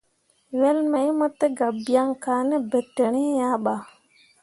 Wel mai mo tə ga byaŋ ka ne bentǝǝri ya ɓa.